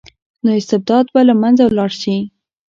نو استبداد به له منځه لاړ شي.